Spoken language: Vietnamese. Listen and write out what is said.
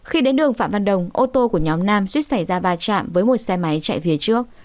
khi đến đường phạm văn đồng ô tô của nhóm nam suýt xảy ra va chạm với một xe máy chạy phía trước